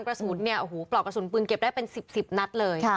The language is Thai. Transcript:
กระสุนเนี่ยโอ้โหปลอกกระสุนปืนเก็บได้เป็น๑๐๑๐นัดเลย